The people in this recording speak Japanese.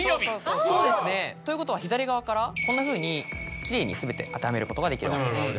そうですねということは左側からこんなふうにきれいに全て当てはめることができるわけです。